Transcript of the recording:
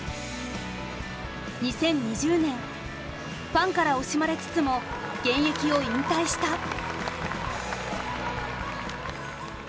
２０２０年ファンから惜しまれつつも現役を引退した。